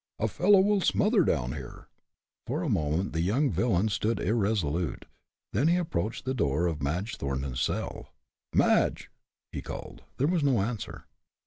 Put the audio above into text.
"A fellow will smother down here." For a moment the young villain stood irresolute then he approached the door of Madge Thornton's cell. "Madge!" he called. There was no answer.